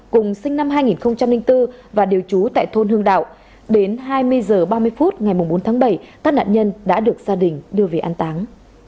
cùng sinh năm hai nghìn bốn và đều trú tại thôn hương đạo đến hai mươi h ba mươi phút ngày bốn tháng bảy các nạn nhân đã được gia đình đưa về an táng